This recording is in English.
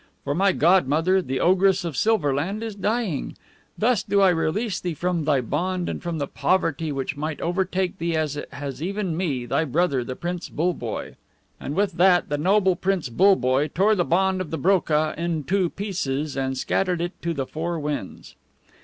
For my godmother, the Ogress of SILVER LAND, is dying. Thus do I release thee from thy bond, and from the poverty which might overtake thee as it has even me, thy brother, the Prince BULLEBOYE." And with that the noble Prince BULLEBOYE tore the bond of the BROKAH into pieces and scattered it to the four winds.